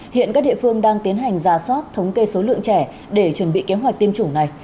hiện các địa phương đang tiến hành ra soát thống kê số lượng trẻ để chuẩn bị kế hoạch tiêm chủng này